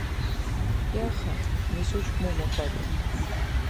იახა, მის უჩქჷ მუ მოხვადუნ.